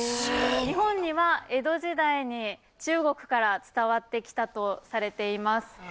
日本には江戸時代に中国から伝わってきたとされています。